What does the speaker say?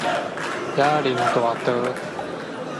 椰林大路